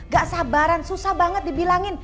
gak sabaran susah banget dibilangin